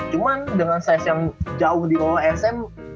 cuman dengan size yang jauh di bawah sm